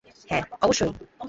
হ্যাঁ, অবশ্যই?